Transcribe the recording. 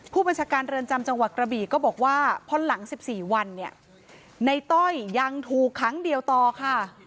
ผู้บัญชาการเรือนจำจังหวัดกระบีก็บอกว่าพอหลัง๑๔วันเนี่ยในต้อยยังถูกครั้งเดียวต่อค่ะ